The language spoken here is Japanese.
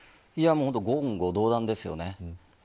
言語道断ですよね。